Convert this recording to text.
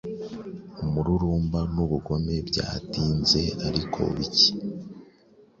Umururumba nubugome byatinze ariko bike